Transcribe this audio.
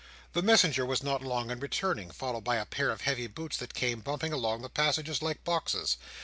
The messenger was not long in returning, followed by a pair of heavy boots that came bumping along the passage like boxes.